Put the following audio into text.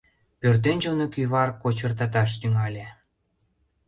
Пӧртӧнчылнӧ кӱвар кочыртаташ тӱҥале.